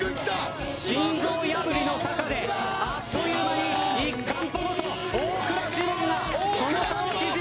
心臓破りの坂であっという間に一完歩ごと大倉士門がその差を縮めてきた。